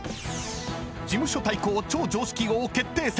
［事務所対抗超常識王決定戦］